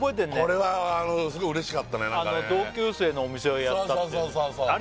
これはすごいうれしかったね同級生のお店をやったっていうそうそうそうそうそう